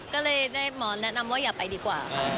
ก็เลยได้หมอแนะนำว่าอย่าไปดีกว่าค่ะ